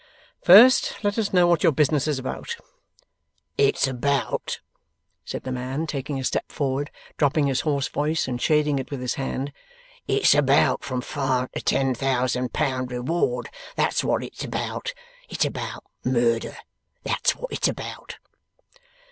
'First, let us know what your business is about.' 'It's about,' said the man, taking a step forward, dropping his hoarse voice, and shading it with his hand, 'it's about from five to ten thousand pound reward. That's what it's about. It's about Murder. That's what it's about.